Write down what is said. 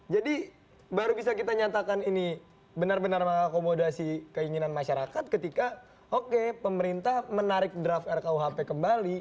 jadi baru bisa kita nyatakan ini benar benar mengakomodasi keinginan masyarakat ketika oke pemerintah menarik draft rkuhp kembali